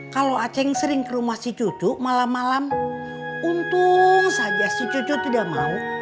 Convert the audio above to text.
kalau aceng sering ke rumah si cucu malam malam untung saja si cucu tidak mau